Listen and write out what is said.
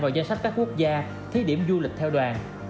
vào danh sách các quốc gia thí điểm du lịch theo đoàn